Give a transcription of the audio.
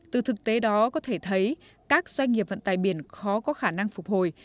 từ thực tế đó có thể thấy các doanh nghiệp vận tài biển khó có khả năng phục hồi